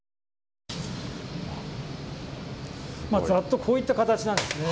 ざっとこういった形なんですね。